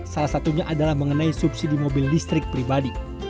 salah satunya adalah mengenai subsidi mobil listrik pribadi